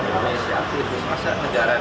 itu semasa negara di majap kepala negaranya